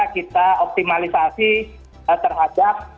kita optimalisasi terhadap